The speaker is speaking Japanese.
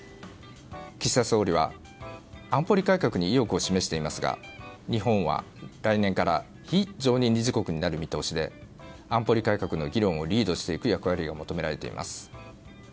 岸田総理は安保理改革に意欲を示していますが日本は来年から非常任理事国になる見通しで安保理改革の議論をリードしていく役割を求められています。